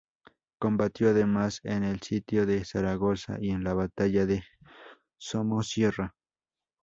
Combatió, además, en el sitio de Zaragoza y en la batalla de Somosierra.